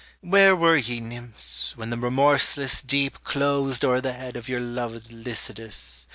Where were ye, nymphs, when the remorseless deep Closed o'er the head of your loved Lycidas?